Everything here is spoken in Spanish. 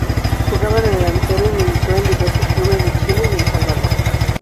Jugaba de delantero y militó en diversos clubes de Chile y El Salvador.